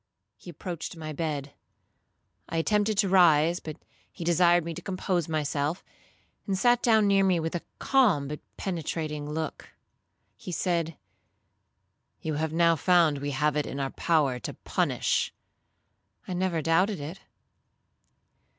He approached my bed. I attempted to rise, but he desired me to compose myself, and sat down near me with a calm but penetrating look. He said, 'You have now found we have it in our power to punish.'—'I never doubted it.'